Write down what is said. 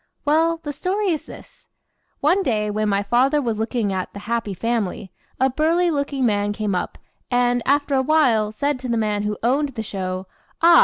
Well, the story is this. One day, when my father was looking at "the happy family," a burly looking man came up, and, after a while, said to the man who owned the show: "Ah!